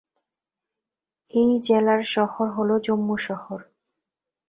এই জেলার সদর হল জম্মু শহর।